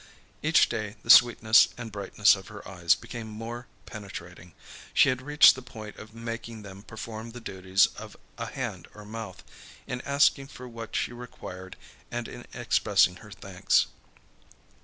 Each day the sweetness and brightness of her eyes became more penetrating. She had reached the point of making them perform the duties of a hand or mouth, in asking for what she required and in expressing her thanks.